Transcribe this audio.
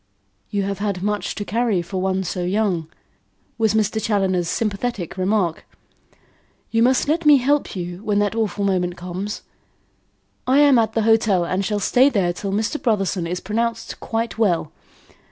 "You have had much to carry for one so young," was Mr. Challoner's sympathetic remark. "You must let me help you when that awful moment comes. I am at the hotel and shall stay there till Mr. Brotherson is pronounced quite well.